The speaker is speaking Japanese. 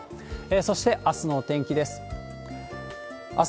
そしてあすのお天気です。